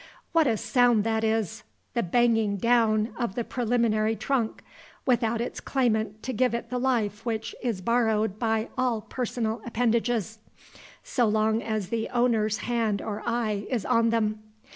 What a sound that is, the banging down of the preliminary trunk, without its claimant to give it the life which is borrowed by all personal appendages, so long as the owner's hand or eye is on them!